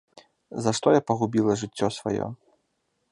За што я пагубіла жыццё сваё?